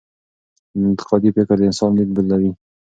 انتقادي فکر د انسان لید بدلوي.